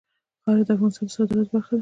خاوره د افغانستان د صادراتو برخه ده.